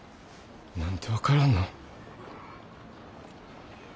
何で分からんの？